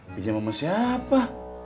pinjam sama siapa